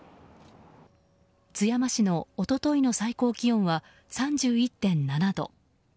津山市の一昨日の最高気温は３１．７度。